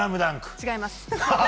違います。